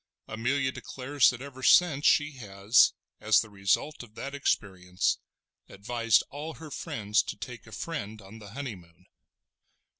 Amelia declares that ever since she has, as the result of that experience, advised all her friends to take a friend on the honeymoon.